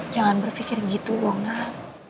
jangan berfikir gitu dong nah